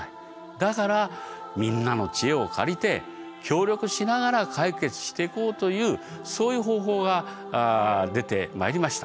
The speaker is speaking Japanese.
だからみんなの知恵を借りて協力しながら解決していこうというそういう方法が出てまいりました。